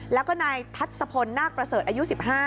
แล้วก็นายทัศพลนาคประเสริฐอายุ๑๕